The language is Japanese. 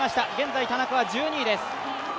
現在、田中が１２位です。